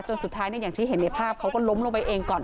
สุดท้ายอย่างที่เห็นในภาพเขาก็ล้มลงไปเองก่อน